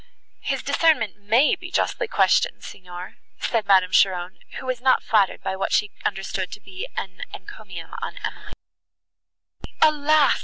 "His discernment may be justly questioned, Signor," said Madame Cheron, who was not flattered by what she understood to be an encomium on Emily. "Alas!"